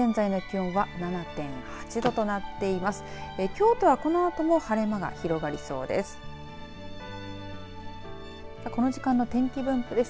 京都はこのあとも晴れ間が広がりそうです。